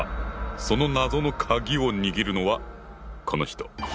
その謎のカギを握るのはこの人！